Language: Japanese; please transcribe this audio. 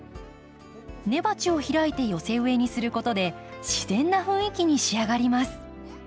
根鉢を開いて寄せ植えにすることで自然な雰囲気に仕上がります。